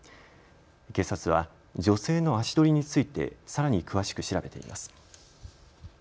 警察は女性の足取りについてさらに詳しく調べています。